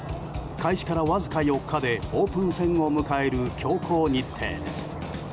開始からわずか４日でオープン戦を迎える強行日程です。